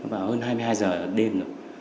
vào hơn hai mươi hai h đêm rồi